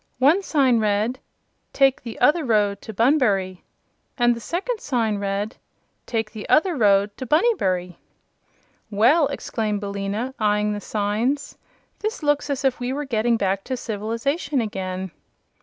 One sign read: TAKE THE OTHER ROAD TO BUNBURY and the second sign read: TAKE THE OTHER ROAD TO BUNNYBURY "Well!" exclaimed Billina, eyeing the signs, "this looks as if we were getting back to civilization again."